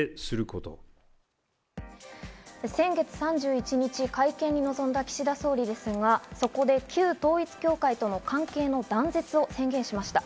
先月３１日、会見に臨んだ岸田総理ですが、そこで旧統一教会との関係の断絶を宣言しました。